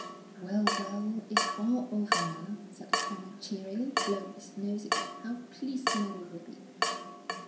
"Well, well, it's all over now," said the Colonel cheerily, blowing his nose again. "How pleased Mary will be!"